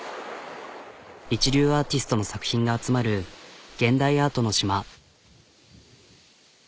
一流アーティストの作品が集まる現代アートの島。